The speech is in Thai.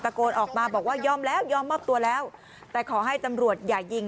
โกนออกมาบอกว่ายอมแล้วยอมมอบตัวแล้วแต่ขอให้ตำรวจอย่ายิง